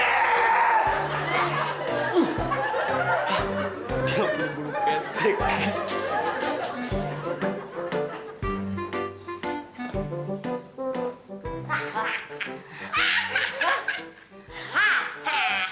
dia belom mulut kayak tek